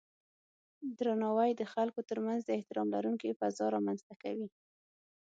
درناوی د خلکو ترمنځ د احترام لرونکی فضا رامنځته کوي.